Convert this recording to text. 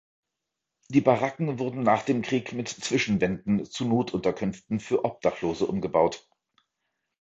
Die Baracken wurden nach dem Krieg mit Zwischenwänden zu Notunterkünften für Obdachlose umgebaut.